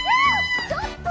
・ちょっと！